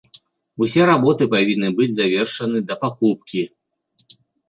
Усе работы павінны быць завершаны да пакупкі.